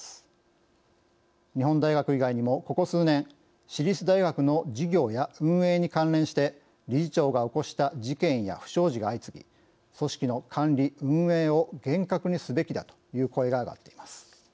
日本大学以外にもここ数年私立大学の事業や運営に関連して理事長が起こした事件や不祥事が相次ぎ組織の管理・運営を厳格にすべきだという声が上がっています。